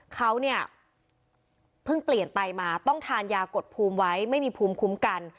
เขาเนี่ยเพิ่งเปลี่ยนไตมาต้องทานยากดภูมิไว้ไม่มีภูมิคุ้มกัน